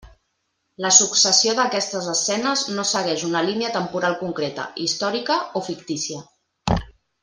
La successió d'aquestes escenes no segueix una línia temporal concreta, històrica o fictícia.